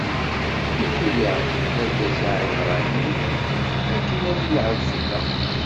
iwwi-yaɣ-d argaz Aɛibṛani akken ad ilɛeb fell-aɣ.